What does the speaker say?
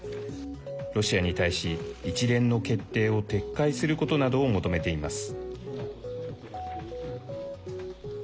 ロシアに対し、一連の決定を撤回することなどを求めています。